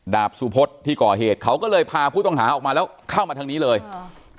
ดาบสุพศที่ก่อเหตุเขาก็เลยพาผู้ต้องหาออกมาแล้วเข้ามาทางนี้เลยอ่า